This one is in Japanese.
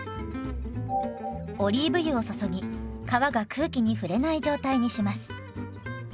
オリーブ油を注ぎ皮が空気に触れない状態にします。